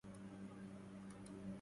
مودِ ظَرفاً وحكمةً وسخاءَ